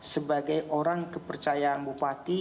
sebagai orang kepercayaan bupati